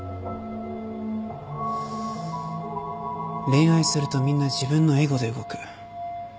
恋愛するとみんな自分のエゴで動く。